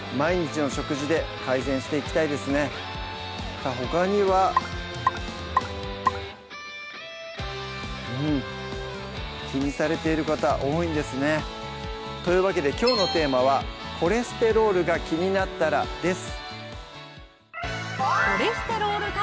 さぁほかにはうん気にされている方多いんですねというわけできょうのテーマは「コレステロールが気になったら」です